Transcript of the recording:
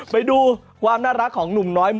ไปดูความน่ารักของหนุ่มน้อย